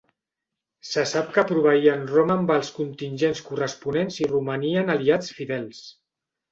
Se sap que proveïen Roma amb els contingents corresponents i romanien aliats fidels.